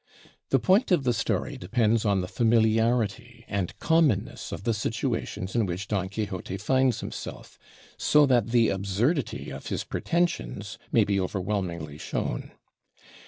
The point of the story depends on the familiarity and commonness of the situations in which Don Quixote finds himself, so that the absurdity of his pretensions may be overwhelmingly shown.